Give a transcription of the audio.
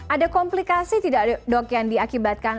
ada komplikasi tidak dok yang diakibatkan